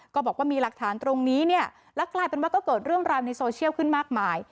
ก็บอกว่ามีหลักฐานตรงนี้เนี่ยแล้วกลายเป็นว่าก็เกิดเรื่องราวในโซเชียลขึ้นมากมาย